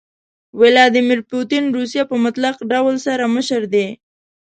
ويلاديمير پوتين روسيه په مطلق ډول سره مشر دي.